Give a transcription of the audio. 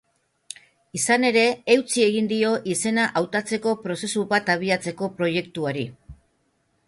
Izan ere, eutsi egin dio izena hautatzeko prozesu bat abiatzeko proiektuari.